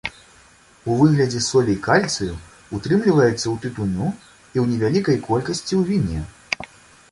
У выглядзе солей кальцыю утрымліваецца ў тытуню і ў невялікай колькасці ў віне.